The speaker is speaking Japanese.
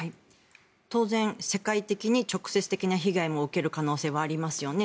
当然、世界的に直接的に被害を受けることもありますよね。